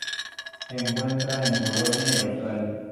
Se encuentra en Polonia y Austria.